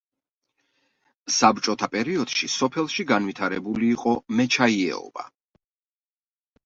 საბჭოთა პერიოდში სოფელში განვითარებული იყო მეჩაიეობა.